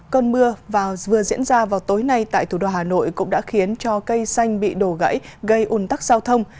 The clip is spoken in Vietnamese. cơn mưa vừa diễn ra vào tối nay tại thủ đô hà nội cũng đã khiến cho cây xanh bị đổ gãy gây ủn tắc giao thông